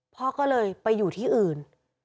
พ่อก็เลยไปอยู่ที่อื่น